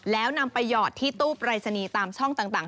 แล้วนำไปหยอดที่ตู้ปรายศนีย์ตามช่องต่าง